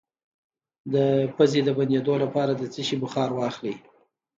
د پوزې د بندیدو لپاره د څه شي بخار واخلئ؟